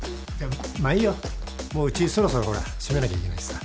もううちそろそろほら閉めなきゃいけないしさ。